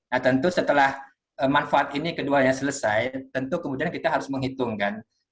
nah tentu setelah manfaat ini keduanya selesai tentu kemudian kita harus menghitungkan